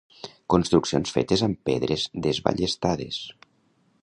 Construccions fetes amb pedres desballestades.